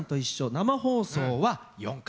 生放送は４回目。